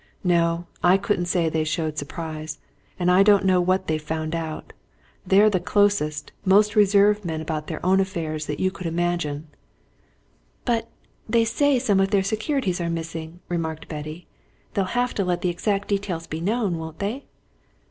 No, I couldn't say they showed surprise, and I don't know what they've found out they're the closest, most reserved men about their own affairs that you could imagine!" "But they say some of their securities are missing," remarked Betty. "They'll have to let the exact details be known, won't they?"